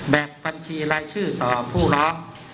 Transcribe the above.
บัญชีรายชื่อต่อผู้ร้อง